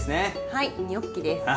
はいニョッキです。